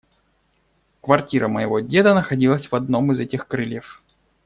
Квартира моего деда находилась в одном из этих крыльев.